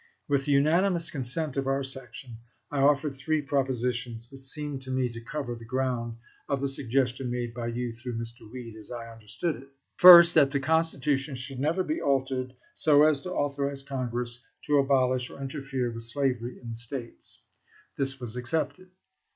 With the unanimous consent of our section I offered three propositions which seemed to me to cover the ground of the suggestion made by you through Mr. Weed as I understood it. First That the Constitution should never be altered so as to authorize Congress to abolish or interfere with slavery in the States. This was accepted.